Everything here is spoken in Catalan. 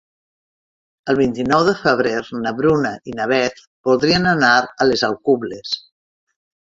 El vint-i-nou de febrer na Bruna i na Beth voldrien anar a les Alcubles.